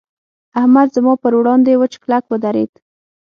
احمد زما پر وړاند وچ کلک ودرېد.